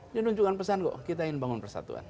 ini nuncukan pesan kok kita ingin bangun persatuan